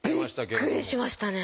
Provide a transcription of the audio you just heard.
びっくりしましたね。